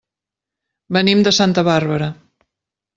Venim de Santa Bàrbara.